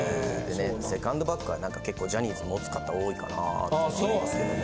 セカンドバッグは何か結構ジャニーズ持つ方多いかなとか思いますけどね。